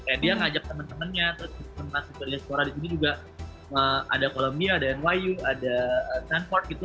kayak dia ngajak temen temennya terus temen temen diaspora di sini juga ada columbia ada nyu ada stanford gitu